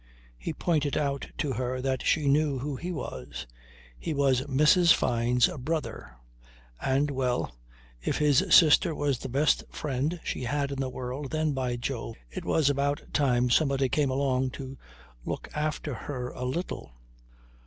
He pointed out to her that she knew who he was. He was Mrs. Fyne's brother. And, well, if his sister was the best friend she had in the world, then, by Jove, it was about time somebody came along to look after her a little.